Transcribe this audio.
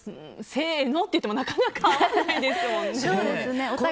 せーのって言ってもなかなか合わないですよね。